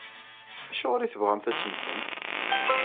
Acuɣer i tebɣamt ad temmtemt?